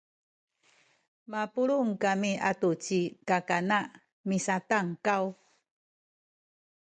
mapulung kami atu ci kakana misatankaw